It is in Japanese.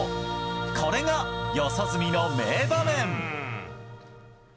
これが四十住の名場面！